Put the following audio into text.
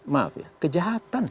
maaf ya kejahatan